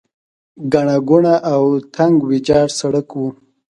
ګڼه ګوڼه او تنګ ویجاړ سړک و.